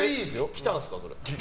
着たんですか？